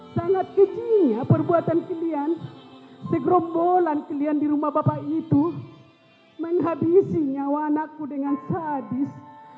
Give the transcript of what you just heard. sangat kejinya perbuatan kalian segerombolan kalian di rumah bapak itu menghabisi nyawa anakku dengan sadis